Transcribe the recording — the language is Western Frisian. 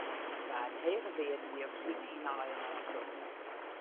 Der waarden hege wearden dioksine yn de aaien oantroffen.